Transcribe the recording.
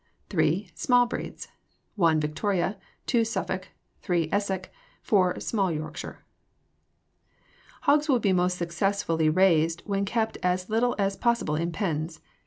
III. Small Breeds 1. Victoria. 2. Suffolk. 3. Essex. 4. Small Yorkshire. Hogs will be most successfully raised when kept as little as possible in pens.